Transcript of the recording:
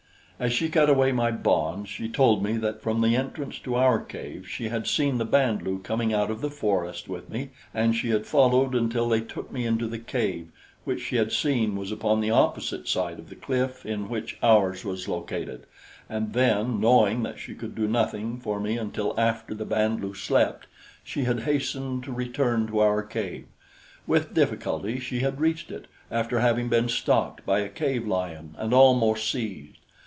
As she cut away my bonds, she told me that from the entrance to our cave she had seen the Band lu coming out of the forest with me, and she had followed until they took me into the cave, which she had seen was upon the opposite side of the cliff in which ours was located; and then, knowing that she could do nothing for me until after the Band lu slept, she had hastened to return to our cave. With difficulty she had reached it, after having been stalked by a cave lion and almost seized.